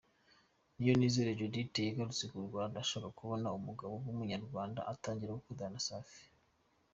Niyonizera Judith yagarutse mu Rwanda ashaka kubona umugabo w’umunyarwanda, atangira gukundana na Safi.